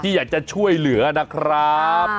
อยากจะช่วยเหลือนะครับ